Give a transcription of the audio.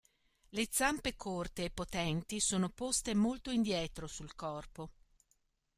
Le zampe corte e potenti sono poste molto indietro sul corpo.